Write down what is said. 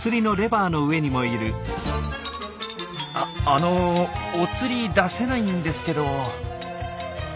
あのお釣り出せないんですけど。